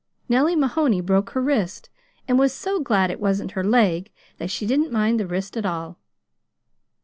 Nellie Mahoney broke her wrist and was so glad it wasn't her leg that she didn't mind the wrist at all.